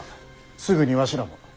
すぐにわしらも。